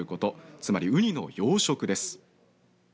つまり、うにの養殖です。